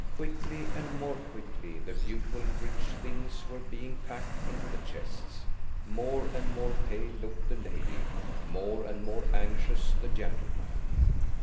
Quickly and more quickly the beautiful rich things were being packed into the chests. More and more pale looked the lady; more and more anxious the gentleman.